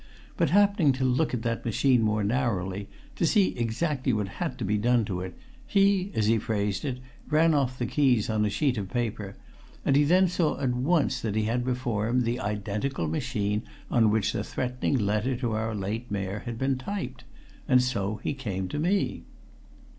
But, happening to look at that machine more narrowly, to see exactly what had to be done to it, he as he phrased it ran off the keys on a sheet of paper, and he then saw at once that he had before him the identical machine on which the threatening letter to our late Mayor had been typed! And so he came to me!"